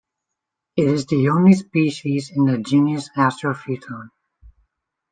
It is the only species in the genus Astrophyton.